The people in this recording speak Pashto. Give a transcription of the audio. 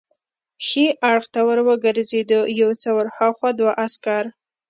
ښي اړخ ته ور وګرځېدو، یو څه ور هاخوا دوه عسکر.